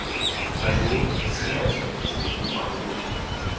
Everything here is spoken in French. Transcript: Un jour, Simon et son fils découvrent un nouveau filon.